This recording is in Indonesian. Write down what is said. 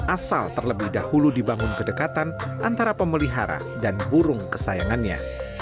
asal terlebih dahulu dibangun kedekatan antara pemelihara dan burung kesayangannya